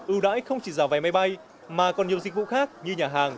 ưu đãi không chỉ giả vẻ máy bay mà còn nhiều dịch vụ khác như nhà hàng